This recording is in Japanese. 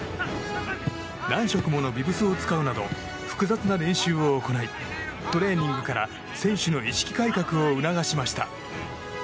何色ものビブスを使うなど複雑な練習を行いトレーニングから選手の意識改革を促しました。